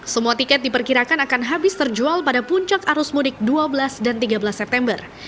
semua tiket diperkirakan akan habis terjual pada puncak arus mudik dua belas dan tiga belas september